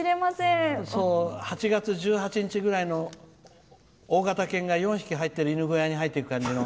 ８月１８日ぐらいの大型犬が４匹入ってる犬小屋に入っていく感じの。